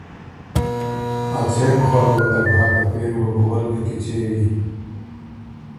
ا څېن خوند وتک هۀ که پېری وه بو ول کی کیڅوِن۔